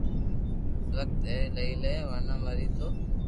وقت ھي لئي لي ورنہ مري تو